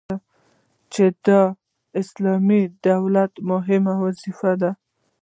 چي دا د اسلامي دولت مهمي وظيفي دي